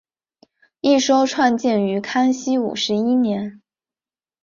一说创建于康熙五十一年。